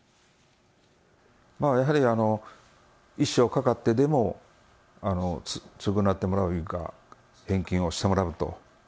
やはり一生かかってでも償ってもらういうか、返金をしてもらうと。